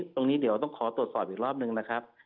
ตรงนี้เดี๋ยวต้องขอตรวจสอบอีกรอบนึงนะครับ